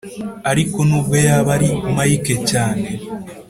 ariko n’ubwo yaba ari mike cyane.